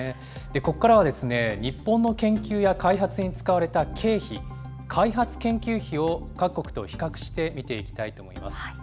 ここからは、日本の研究や開発に使われた経費、開発研究費を各国と比較して見ていきたいと思います。